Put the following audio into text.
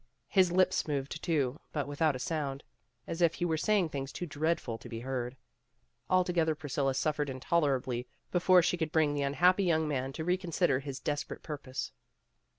His lips moved, too, but without a sound, as if he were saying things too dreadful to be heard. Al together Priscilla suffered intolerably before she could bring the unhappy young man to re consider his desperate purpose.